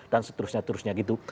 dan seterusnya terusnya gitu